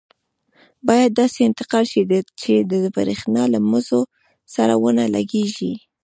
باید داسې انتقال شي چې د بریښنا له مزو سره ونه لګېږي.